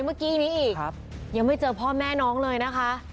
เมื่อกี้นี้อีกยังไม่เจอพ่อแม่น้องเลยนะคะ